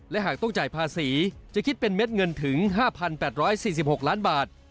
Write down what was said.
และหากต้องจ่ายภาษีจะคิดเป็นเม็ดเงินถึง๕๘๔๖ล้านบาท